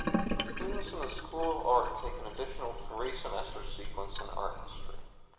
Students in the School of Art take an additional three-semester sequence in art history.